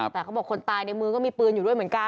แต่เขาบอกคนตายในมือก็มีปืนอยู่ด้วยเหมือนกัน